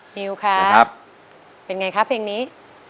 นิวค่ะเป็นไงครับเพลงนี้